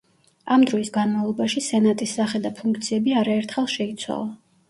ამ დროის განმავლობაში სენატის სახე და ფუნქციები არაერთხელ შეიცვალა.